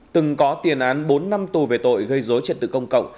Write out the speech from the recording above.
từng có tiền án bốn năm tù về tội gây dối trật tự công cộng